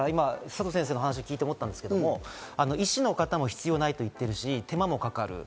佐藤先生の話を聞いて思ったんですけど、医師の方も必要ないと言ってるし、手間もかかる。